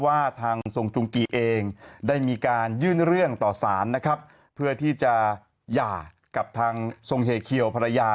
ว่าทางทรงจุงกีเองได้มีการยื่นเรื่องต่อสารนะครับเพื่อที่จะหย่ากับทางทรงเฮเคียวภรรยา